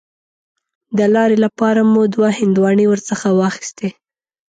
د لارې لپاره مو دوه هندواڼې ورڅخه واخیستې.